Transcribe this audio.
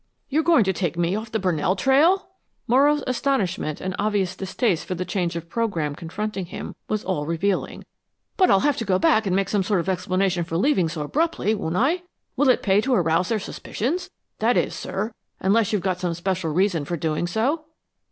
"You're going to take me off the Brunell trail!" Morrow's astonishment and obvious distaste for the change of program confronting him was all revealing. "But I'll have to go back and make some sort of explanation for leaving so abruptly, won't I? Will it pay to arouse their suspicions that is, sir, unless you've got some special reason for doing so?"